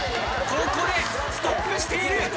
ここでストップしている。